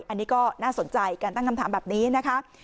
อันนี้ก็น่าสนใจการตั้งคำถามแบบนี้นะคะ